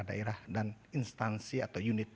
daerah dan instansi atau unit